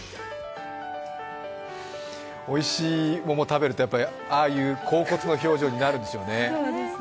おいしい桃食べるとああいう恍惚の表情になるんでしょうね。